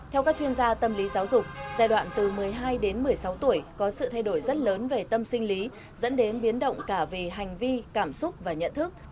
theo các chuyên gia tâm lý giáo dục giai đoạn từ một mươi hai đến một mươi sáu tuổi có sự thay đổi rất lớn về tâm sinh lý dẫn đến biến động cả về hành vi cảm xúc và nhận thức